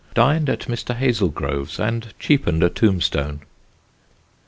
Dined at Mr. Hazelgrove's and cheapened a tombstone."